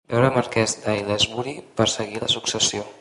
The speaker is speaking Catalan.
"veure marquès d'Ailesbury per seguir la successió"